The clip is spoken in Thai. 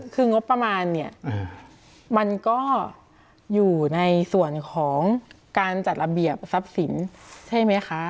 คืองบประมาณเนี่ยมันก็อยู่ในส่วนของการจัดระเบียบทรัพย์สินใช่ไหมคะ